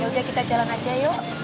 ya udah kita jalan aja yuk